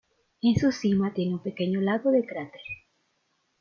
En su cima tiene un pequeño lago de cráter.